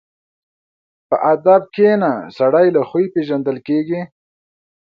په ادب کښېنه، سړی له خوی پېژندل کېږي.